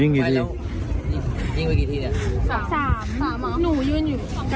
ยิงกี่ทียิงไปกี่ทีเนี้ยสามสามหนูยืนอยู่